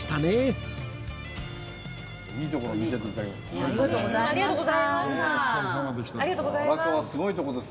ありがとうございます。